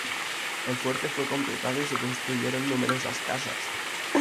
El fuerte fue completado y se construyeron numerosas casas.